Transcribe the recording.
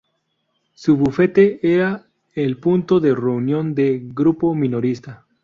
Su bufete era el punto de reunión del Grupo Minorista.